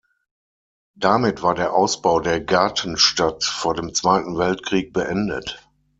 Damit war der Ausbau der Gartenstadt vor dem Zweiten Weltkrieg beendet.